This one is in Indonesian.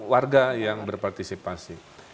warga yang berpartisipasi